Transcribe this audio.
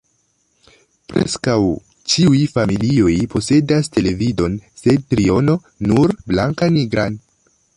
Preskaŭ ĉiuj familioj posedas televidon sed triono nur blankanigran.